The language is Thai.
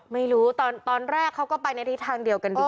ไม่รู้ตอนแรกเขาก็ไปในทิศทางเดียวกันดี